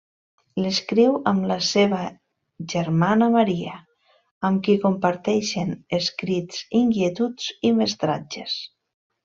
L'escriu amb la seva germana Maria, amb qui comparteixen, escrits, inquietuds i mestratges.